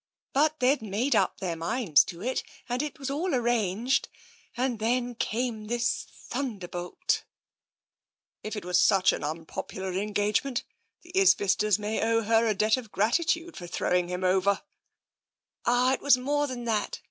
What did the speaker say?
But they'd made up their minds to it, and it was all arranged, and then came this thunderbolt." 8 TENSION "If it was such an unpopular engagement, the Isbisters may owe her a debt of gratitude for throwing him over/' " Ah, it was more than that.